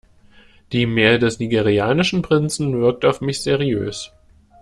Die Mail des nigerianischen Prinzen wirkt auf mich seriös.